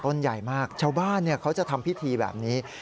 ใหญ่มากชาวบ้านเขาจะทำพิธีแบบนี้